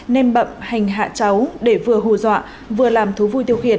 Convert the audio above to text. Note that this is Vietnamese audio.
nên bậm hành hạ cháu để vừa hù dọa vừa làm thú vui tiêu khiển